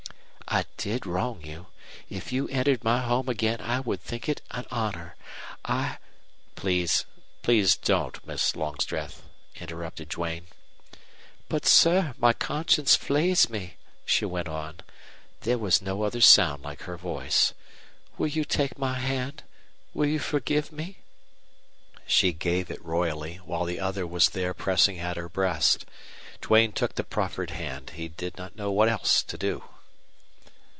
"I did wrong you. If you entered my home again I would think it an honor. I " "Please please don't, Miss Longstreth," interrupted Duane. "But, sir, my conscience flays me," she went on. There was no other sound like her voice. "Will you take my hand? Will you forgive me?" She gave it royally, while the other was there pressing at her breast. Duane took the proffered hand. He did not know what else to do.